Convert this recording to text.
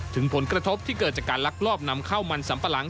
ถึงผลกระทบที่เกิดจากการลักลอบนำเข้ามันสัมปะหลัง